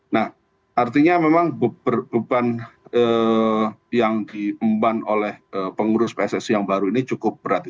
nah artinya memang beban yang diemban oleh pengurus pssi yang baru ini cukup berat